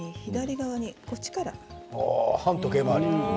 反時計回り。